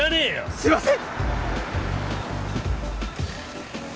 すみません！